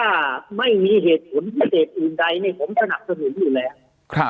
ถ้าไม่มีเหตุผลพิเศษอื่นใดผมสนับสนุนอยู่แล้ว